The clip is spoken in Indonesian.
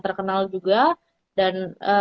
terkenal juga dan